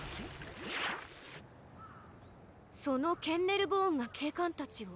そのケンネルボーンがけいかんたちを？